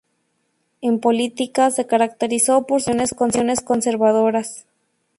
En política, se caracterizó por sus posiciones conservadoras.